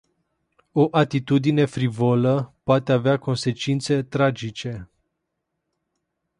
O atitudine frivolă poate avea consecințe tragice.